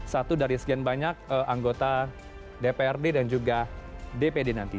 satu dari sekian banyak anggota dprd dan juga dpd nanti